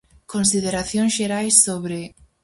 Consideracións xerais sobre...